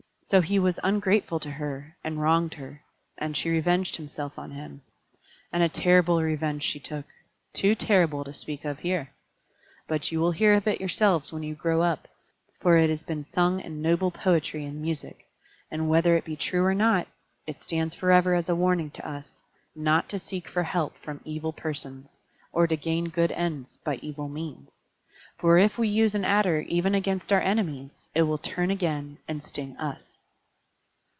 So he was ungrateful to her, and wronged her: and she revenged herself on him. And a terrible revenge she took too terrible to speak of here. But you will hear of it yourselves when you grow up, for it has been sung in noble poetry and music; and whether it be true or not, it stands forever as a warning to us, not to seek for help from evil persons, or to gain good ends by evil means. For if we use an adder even against our enemies, it will turn again and sting us.